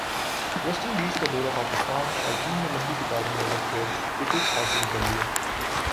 waste Indies کا دورہ پاکستان شائقین نے لمبی قطاروں میں لگ کر ٹکٹس حاصل کرلئے